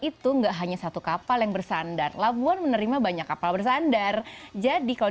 itu enggak hanya satu kapal yang bersandar labuan menerima banyak kapal bersandar jadi kalau